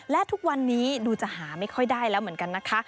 และทุกวันนี้ดูจะหาไม่ค่อยได้แล้วเหมือนกันนะคะ